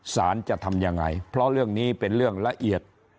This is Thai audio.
จะทำยังไงเพราะเรื่องนี้เป็นเรื่องละเอียด